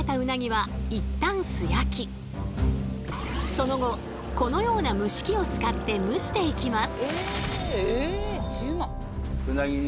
その後このような蒸し器を使って蒸していきます。